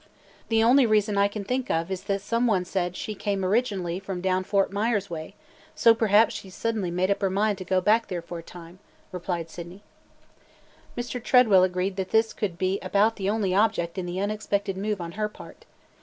"The only reason I can think of is that some one said she came originally from down Fort Myers way, so perhaps she 's suddenly made up her mind to go back there for a time," replied Sydney. Mr. Tredwell agreed that this could be about the only object in the unexpected move on her part.